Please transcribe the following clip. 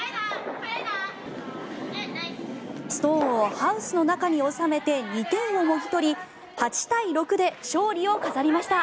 ストーンをハウスの中に収めて２点をもぎ取り８対６で勝利を飾りました。